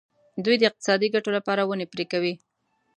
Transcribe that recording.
دوی د اقتصادي ګټو لپاره ونې پرې کوي.